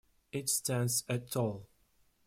It stands at tall.